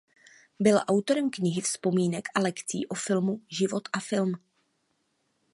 Byl autorem knihy vzpomínek a lekcí o filmu "Život a film".